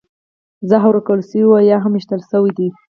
زهر ورکړل شوي او یا هم ویشتل شوي دي